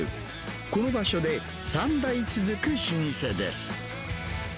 この場所で３代続く老舗です。